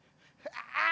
ああ！